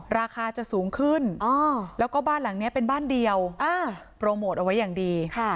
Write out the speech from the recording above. ราคาจะสูงขึ้นแล้วก็บ้านหลังนี้เป็นบ้านเดียวโปรโมทเอาไว้อย่างดี